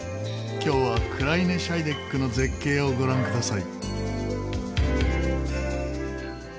今日はクライネ・シャイデックの絶景をご覧ください。